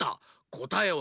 こたえは。